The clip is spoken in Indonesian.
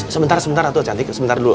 sebentar sebentar atuh cantik